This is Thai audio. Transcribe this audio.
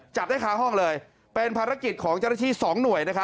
จับได้ค้าห้องเลยเป็นภารกิจของเจ้าหน้าที่๒หน่วย